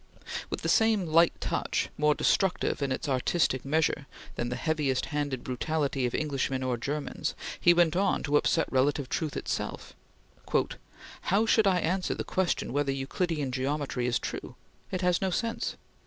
With the same light touch, more destructive in its artistic measure than the heaviest handed brutality of Englishmen or Germans, he went on to upset relative truth itself: "How should I answer the question whether Euclidian Geometry is true? It has no sense!...